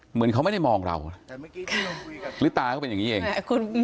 เหมือนเขาไม่ได้มองเราแต่เมื่อกี้ที่เราคุยกันหรือตาก็เป็นอย่างงี้เอง